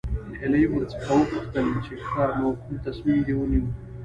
هيلې ورڅخه وپوښتل چې ښه نو کوم تصميم دې ونيو.